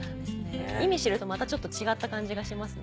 意味知るとまたちょっと違った感じがしますね。